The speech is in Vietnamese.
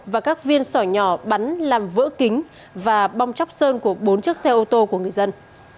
và các viên sỏi nhỏ bắn làm vỡ kính và bong chóc sơn của bốn chiếc xe ô tô của người dân